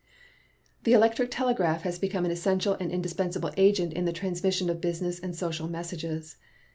The electric telegraph has become an essential and indispensable agent in the transmission of business and social messages.